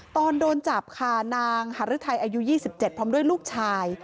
ตอนโดนจับค่ะนางหารึทัยอายุ๒๗พร้อมด้วยลูกชาย